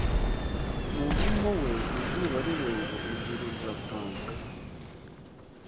' Umuvumo we izuba rirenze, Ijuru riratanga